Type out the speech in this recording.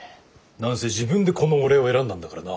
何せ自分でこの俺を選んだんだからな。